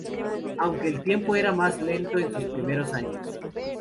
Aunque el tiempo era más lento en sus primeros años.